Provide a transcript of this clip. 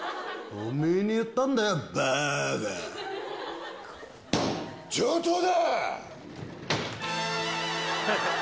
おめえに言ったんだよ、上等だ！